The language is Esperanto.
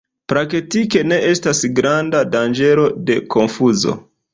Praktike ne estas granda danĝero de konfuzo.